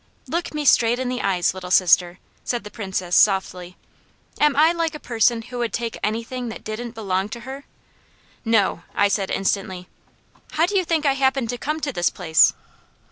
"Look me straight in the eyes, Little Sister," said the Princess softly. "Am I like a person who would take anything that didn't belong to her?" "No!" I said instantly. "How do you think I happened to come to this place?"